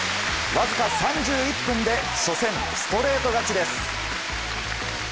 わずか３１分で初戦ストレート勝ちです。